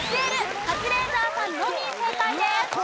カズレーザーさんのみ正解です。